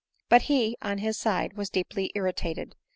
But he, on his side, was deeply irritated.